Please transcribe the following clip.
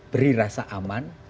beri rasa aman